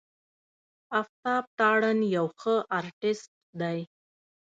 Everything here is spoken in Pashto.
آفتاب تارڼ يو ښه آرټسټ دی.